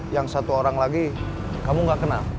yang satu orang lagi kamu nggak kenal